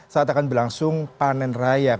saat akan berlangsung panen raya